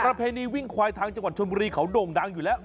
เพณีวิ่งควายทางจังหวัดชนบุรีเขาโด่งดังอยู่แล้ว